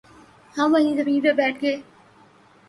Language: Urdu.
ہم وہیں زمین پر بیٹھ گ